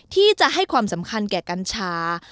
ที่จะให้ความสำคัญแก่กัญชา